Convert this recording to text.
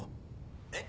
えっ？